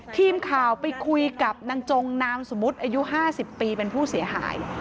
ทีมข่าวไปคุยกับนางจงนามสมมุติอายุ๕๐ปีเป็นผู้เสียหาย